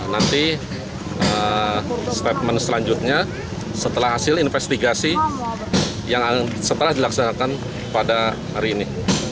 nanti statement selanjutnya setelah hasil investigasi yang setelah dilaksanakan pada hari ini